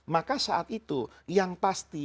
maka saat itu yang pasti